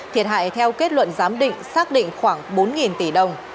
thiệt hại theo kết luận giám định xác định khoảng bốn tỷ đồng